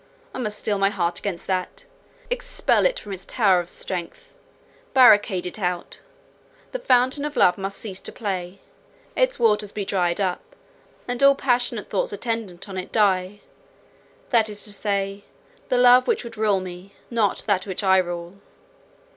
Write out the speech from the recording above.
I must steel my heart against that; expel it from its tower of strength, barricade it out: the fountain of love must cease to play, its waters be dried up, and all passionate thoughts attendant on it die—that is to say, the love which would rule me, not that which I rule.